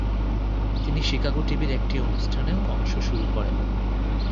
তিনি শিকাগো টিভির একটি অনুষ্ঠানেও অংশ শুরু করেন।